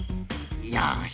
よし！